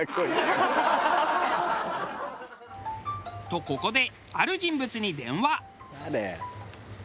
とここである人物に電話。